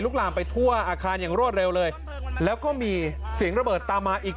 ลามไปทั่วอาคารอย่างรวดเร็วเลยแล้วก็มีเสียงระเบิดตามมาอีก